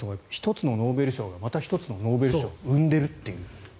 １つのノーベル賞がまた１つのノーベル賞を生んでいるっていう。